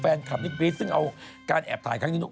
แฟนคับนี่ซึ่งเอาการแอบถ่ายครั้งนี้